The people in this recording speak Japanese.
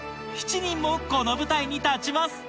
７人もこの舞台に立ちます